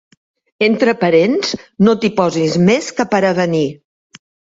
Entre parents no t'hi posis més que per ben avenir.